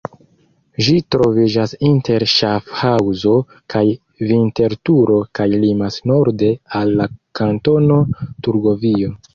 Ĝi troviĝas inter Ŝafhaŭzo kaj Vinterturo kaj limas norde al la Kantono Turgovio.